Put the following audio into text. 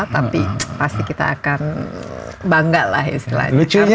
tapi pasti kita akan bangga lah istilahnya